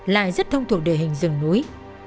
lại rất thông thuộc đề hình rừng núi